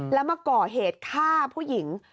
แล้วมาก่อเหตุฆ่าผู้หญิง